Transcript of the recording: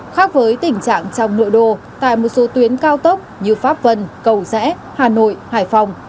khác với tình trạng trong nội đô tại một số tuyến cao tốc như pháp vân cầu rẽ hà nội hải phòng